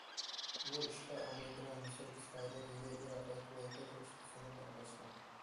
بۇ ئىشقا ئامېرىكىنىڭ مىسىر، ئىسرائىلىيە، لىۋىيە، ئىراق ۋە كۇۋەيتتە تۇرۇشلۇق قىسىملىرى ئارىلاشقان.